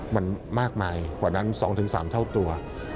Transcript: มันมากมายกว่านั้น๒๓เท่าตัว